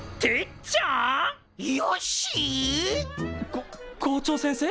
こ校長先生